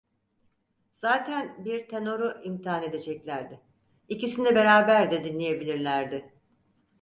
Zaten bir tenoru imtihan edeceklerdi, ikisini beraber de dinleyebilirlerdi.